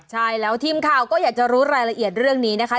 ใช่แล้วทีมข่าวก็อยากจะรู้รายละเอียดเรื่องนี้นะคะ